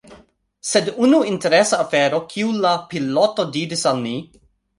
Sed unu Interesa afero kiu la piloto diris al ni.